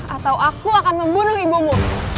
atau aku akan membunuh ibumu